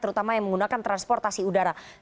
terutama yang menggunakan transportasi udara